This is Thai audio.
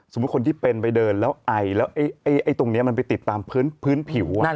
สมมุติคนที่เป็นไปเดินแล้วไอ